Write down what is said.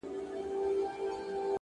o درد چي سړی سو له پرهار سره خبرې کوي؛